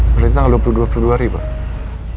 berarti tanggal dua puluh dua februari pak